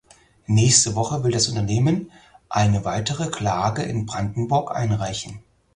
Nächste Woche will das Unternehmen eine weitere Klage in Brandenburg einreichen.